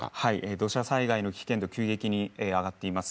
土砂災害の危険度、急激に上がっています。